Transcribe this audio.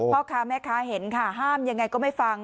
พ่อค้าแม่ค้าเห็นค่ะห้ามยังไงก็ไม่ฟัง